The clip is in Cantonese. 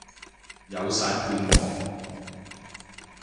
有晒配樂